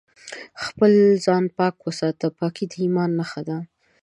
خپل ځان پاک وساته ، پاکي د ايمان نښه ده